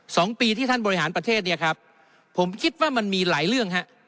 สองปีที่ท่านบริหารประเทศเนี่ยครับผมคิดว่ามันมีหลายเรื่องฮะ